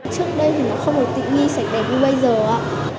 trước đây thì nó không được tự nhi sạch đẹp như bây giờ ạ